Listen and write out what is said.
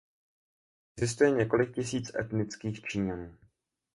Existuje několik tisíc etnických číňanů.